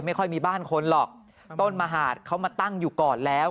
ไม่ค่อยมีบ้านคนหรอกต้นมหาดเขามาตั้งอยู่ก่อนแล้ว